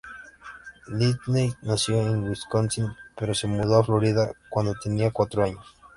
Lindsey nació en Wisconsin, pero se mudó a Florida cuando tenía cuatro años.